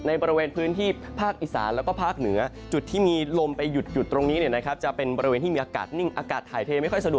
ในบริเวณพื้นที่ภาคอิสานและภาคเหนือจุดที่มีลมไปหยุดตรงนี้นะครับจะเป็นบริเวณที่มีอากาศนิ่งอากาศหายเทไม่ค่อยจะดวกนะครับ